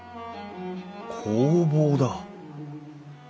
工房だ。